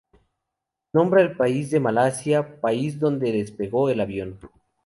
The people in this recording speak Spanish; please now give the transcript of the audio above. Nombra el país de Malasia, país desde donde despegó el avión.